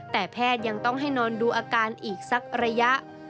แต่แพทย์ยังต้องให้นอนดูอาการอีกสักระยะ